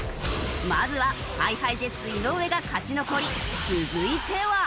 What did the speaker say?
まずはＨｉＨｉＪｅｔｓ井上が勝ち残り続いては。